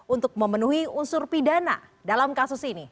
untuk memenuhi unsur pidana dalam kasus ini